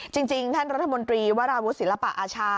จริงท่านรัฐมนตรีวราวุศิลปะอาชา